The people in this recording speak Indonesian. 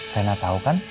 rena tau kan